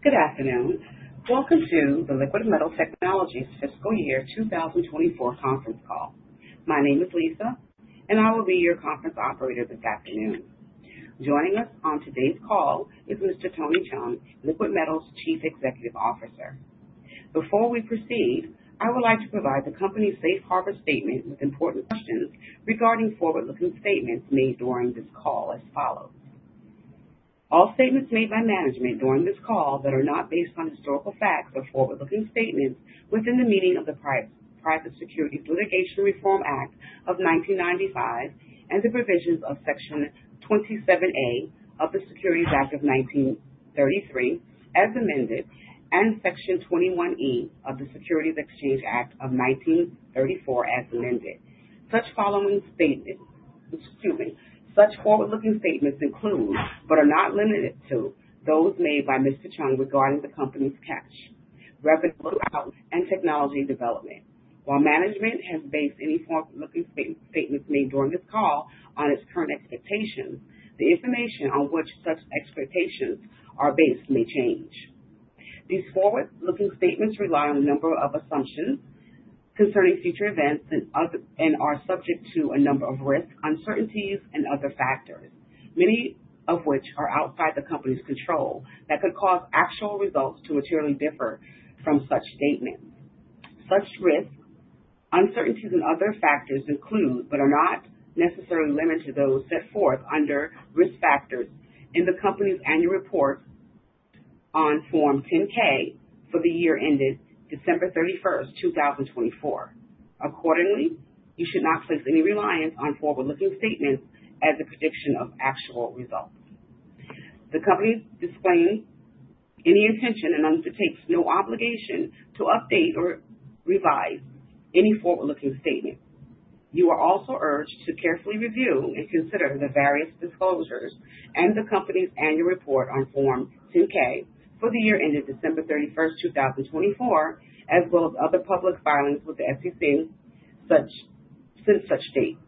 Good afternoon. Welcome to the Liquidmetal Technologies fiscal year 2024 conference call. My name is Lisa, and I will be your conference operator this afternoon. Joining us on today's call is Mr. Tony Chung, Liquidmetal's Chief Executive Officer. Before we proceed, I would like to provide the company's safe harbor statement with important questions regarding forward-looking statements made during this call as follows. All statements made by management during this call that are not based on historical facts are forward-looking statements within the meaning of the Private Securities Litigation Reform Act of 1995 and the provisions of Section 27A of the Securities Act of 1933 as amended, and Section 21E of the Securities Exchange Act of 1934 as amended. Such forward-looking statements include, but are not limited to, those made by Mr. Chung regarding the company's cash, revenue, and technology development. While management has based any forward-looking statements made during this call on its current expectations, the information on which such expectations are based may change. These forward-looking statements rely on a number of assumptions concerning future events and are subject to a number of risks, uncertainties, and other factors, many of which are outside the company's control that could cause actual results to materially differ from such statements. Such risks, uncertainties, and other factors include, but are not necessarily limited to those set forth under risk factors in the company's annual report on Form 10-K for the year ended December 31st, 2024. Accordingly, you should not place any reliance on forward-looking statements as a prediction of actual results. The company disclaims any intention and undertakes no obligation to update or revise any forward-looking statement. You are also urged to carefully review and consider the various disclosures and the company's annual report on Form 10-K for the year ended December 31st, 2024, as well as other public filings with the SEC since such date.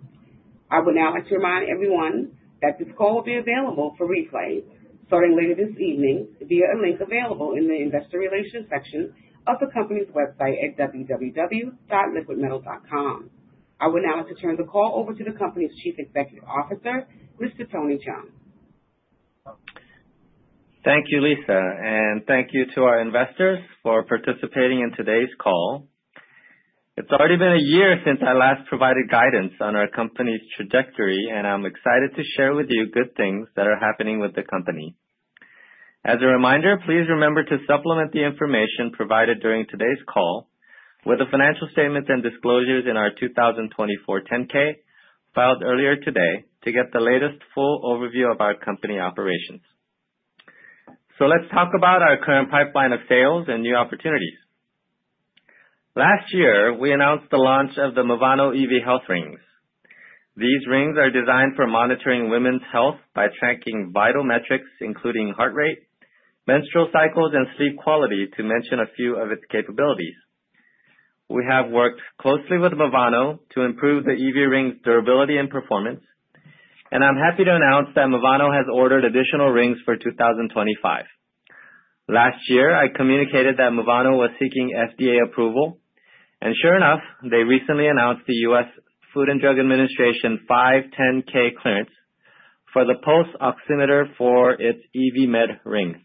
I would now like to remind everyone that this call will be available for replay starting later this evening via a link available in the investor relations section of the company's website at www.liquidmetal.com. I would now like to turn the call over to the company's Chief Executive Officer, Mr. Tony Chung. Thank you, Lisa, and thank you to our investors for participating in today's call. It's already been a year since I last provided guidance on our company's trajectory, and I'm excited to share with you good things that are happening with the company. As a reminder, please remember to supplement the information provided during today's call with the financial statements and disclosures in our 2024 10-K filed earlier today to get the latest full overview of our company operations. Let's talk about our current pipeline of sales and new opportunities. Last year, we announced the launch of the Movano Evie Health Rings. These rings are designed for monitoring women's health by tracking vital metrics, including heart rate, menstrual cycles, and sleep quality, to mention a few of its capabilities. We have worked closely with Movano to improve the Evie ring's durability and performance, and I'm happy to announce that Movano has ordered additional rings for 2025. Last year, I communicated that Movano was seeking FDA approval, and sure enough, they recently announced the U.S. Food and Drug Administration 510(k) clearance for the pulse oximeter for its Evie Med Rings.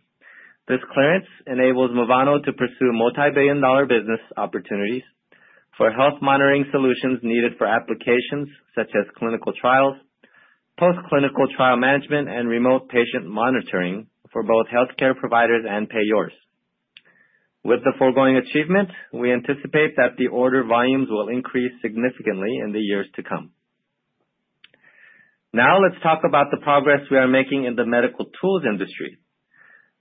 This clearance enables Movano to pursue multi-billion dollar business opportunities for health monitoring solutions needed for applications such as clinical trials, post-clinical trial management, and remote patient monitoring for both healthcare providers and payors. With the foregoing achievement, we anticipate that the order volumes will increase significantly in the years to come. Now, let's talk about the progress we are making in the medical tools industry.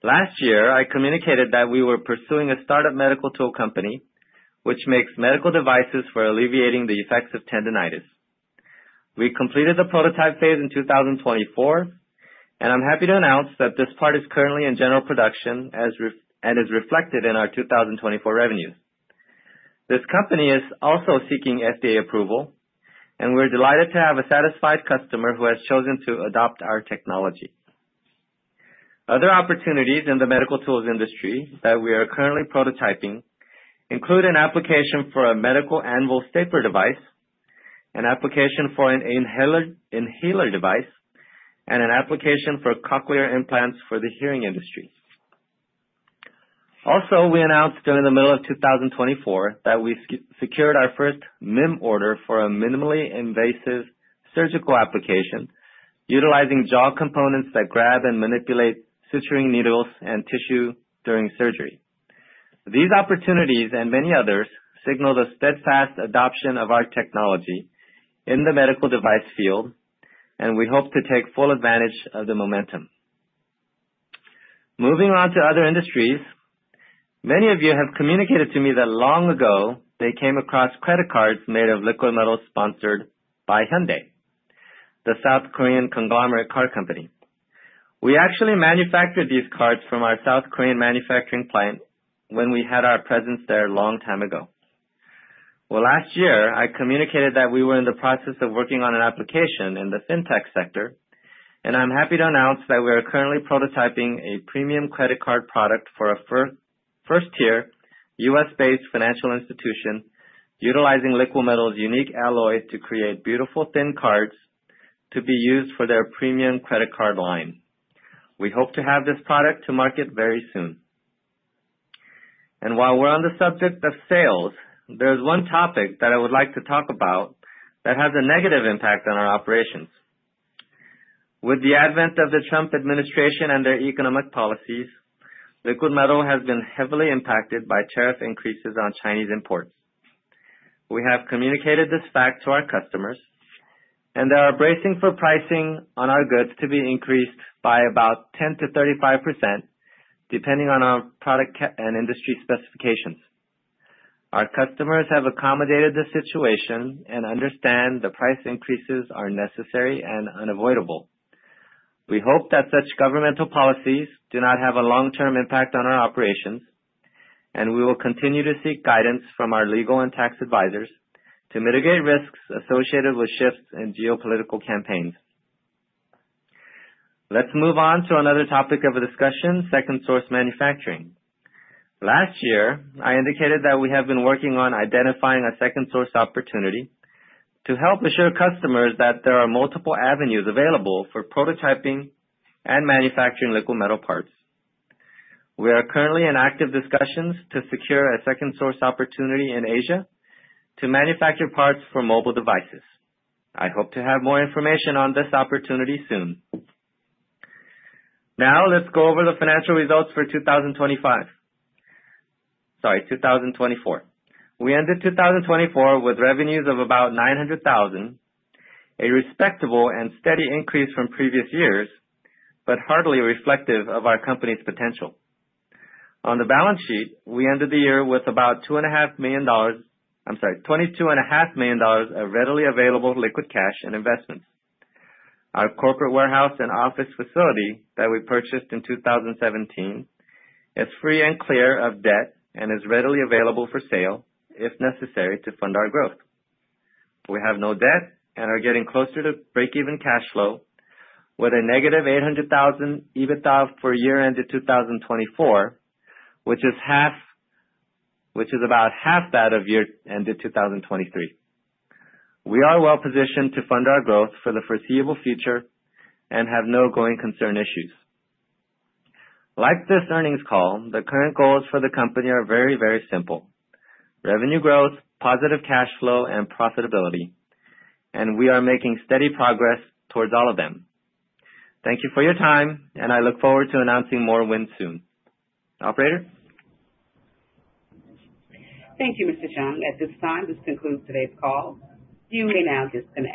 Last year, I communicated that we were pursuing a startup medical tool company which makes medical devices for alleviating the effects of tendonitis. We completed the prototype phase in 2024, and I'm happy to announce that this part is currently in general production and is reflected in our 2024 revenues. This company is also seeking FDA approval, and we're delighted to have a satisfied customer who has chosen to adopt our technology. Other opportunities in the medical tools industry that we are currently prototyping include an application for a medical anvil stapler device, an application for an inhaler device, and an application for cochlear implants for the hearing industry. Also, we announced during the middle of 2024 that we secured our first MIM order for a minimally invasive surgical application utilizing jaw components that grab and manipulate suturing needles and tissue during surgery. These opportunities and many others signal the steadfast adoption of our technology in the medical device field, and we hope to take full advantage of the momentum. Moving on to other industries, many of you have communicated to me that long ago they came across credit cards made of Liquidmetal sponsored by Hyundai, the South Korean conglomerate car company. We actually manufactured these cards from our South Korean manufacturing plant when we had our presence there a long time ago. Last year, I communicated that we were in the process of working on an application in the fintech sector, and I'm happy to announce that we are currently prototyping a premium credit card product for a first-tier U.S.-based financial institution utilizing Liquidmetal's unique alloy to create beautiful thin cards to be used for their premium credit card line. We hope to have this product to market very soon. While we're on the subject of sales, there's one topic that I would like to talk about that has a negative impact on our operations. With the advent of the Trump administration and their economic policies, Liquidmetal Technologies has been heavily impacted by tariff increases on Chinese imports. We have communicated this fact to our customers, and they are bracing for pricing on our goods to be increased by about 10%-35%, depending on our product and industry specifications. Our customers have accommodated this situation and understand the price increases are necessary and unavoidable. We hope that such governmental policies do not have a long-term impact on our operations, and we will continue to seek guidance from our legal and tax advisors to mitigate risks associated with shifts in geopolitical campaigns. Let's move on to another topic of our discussion, second source manufacturing. Last year, I indicated that we have been working on identifying a second source opportunity to help assure customers that there are multiple avenues available for prototyping and manufacturing Liquidmetal parts. We are currently in active discussions to secure a second source opportunity in Asia to manufacture parts for mobile devices. I hope to have more information on this opportunity soon. Now, let's go over the financial results for 2024. We ended 2024 with revenues of about $900,000, a respectable and steady increase from previous years, but hardly reflective of our company's potential. On the balance sheet, we ended the year with about $2.5 million—I'm sorry, $22.5 million of readily available liquid cash and investments. Our corporate warehouse and office facility that we purchased in 2017 is free and clear of debt and is readily available for sale if necessary to fund our growth. We have no debt and are getting closer to break-even cash flow with a negative $800,000 EBITDA for year ended 2024, which is about half that of year ended 2023. We are well positioned to fund our growth for the foreseeable future and have no going-concern issues. Like this earnings call, the current goals for the company are very, very simple: revenue growth, positive cash flow, and profitability, and we are making steady progress towards all of them. Thank you for your time, and I look forward to announcing more wins soon. Operator. Thank you, Mr. Chung. At this time, this concludes today's call. You may now disconnect.